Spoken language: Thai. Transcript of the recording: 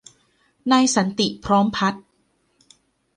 นายสันติ พร้อมพัฒน์